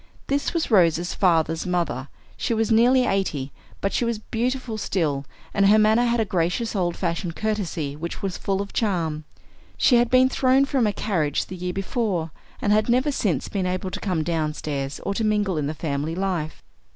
This was Rose's father's mother. She was nearly eighty; but she was beautiful still, and her manner had a gracious old fashioned courtesy which was full of charm. She had been thrown from a carriage the year before, and had never since been able to come downstairs or to mingle in the family life.